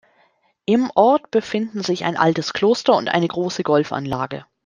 Im Ort befinden sich ein altes Kloster und eine große Golfanlage.